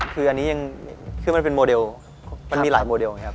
คืออันนี้ยังคือมันเป็นโมเดลมันมีหลายโมเดลไงครับ